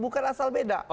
bukan asal beda